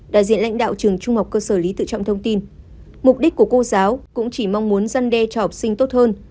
đại diện lãnh đạo trường trung học cơ sở lý tự trọng thông tin mục đích của cô giáo cũng chỉ mong muốn dân đe cho học sinh tốt hơn